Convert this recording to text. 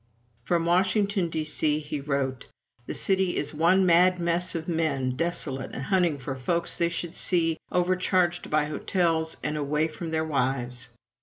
From Washington, D.C., he wrote: "This city is one mad mess of men, desolate, and hunting for folks they should see, overcharged by hotels, and away from their wives."